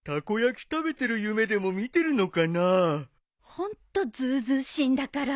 ホントずうずうしいんだから。